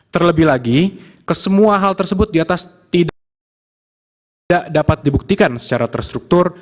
terlebih lagi kesemua hal tersebut diatas tidak dapat dibuktikan secara terstruktur